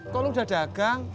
kok lu udah dagang